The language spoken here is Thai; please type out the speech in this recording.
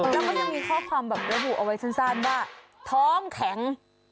แล้วก็ยังมีข้อความแบบระบุเอาไว้สั้นว่าท้องแข็ง